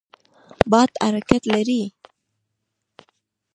باد حرکت لري.